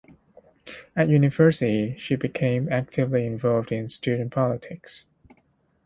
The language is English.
At university, she became actively involved in student politics.